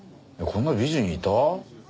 こんな美人いた？